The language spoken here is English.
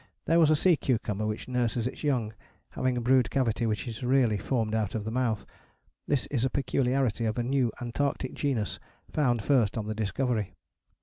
There was a sea cucumber which nurses its young, having a brood cavity which is really formed out of the mouth: this is a peculiarity of a new Antarctic genus found first on the Discovery.